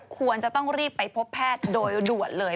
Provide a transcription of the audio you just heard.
ควรจะต้องรีบไปพบแพทย์โดยด่วนเลย